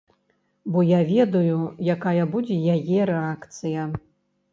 Бо я ведаю, якая будзе яе рэакцыя.